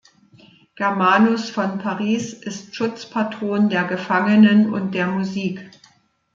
Germanus von Paris ist Schutzpatron der Gefangenen und der Musik.